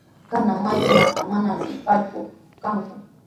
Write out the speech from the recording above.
Kanan mayukunatraw mananami challwa kanku.